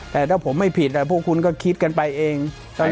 แต่ถ้าผมไม่ผิดพวกคุณก็คิดกันไปเอง